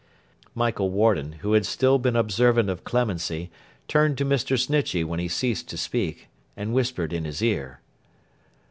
Michael Warden, who had still been observant of Clemency, turned to Mr. Snitchey when he ceased to speak, and whispered in his ear.